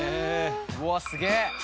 うわすげぇ。